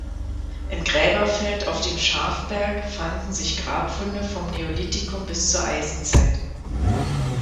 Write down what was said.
Im Gräberfeld auf dem Schafberg fanden sich Grabfunde vom Neolithikum bis zur Eisenzeit.